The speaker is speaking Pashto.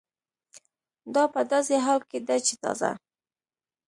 دا په داسې حال کې ده چې تازه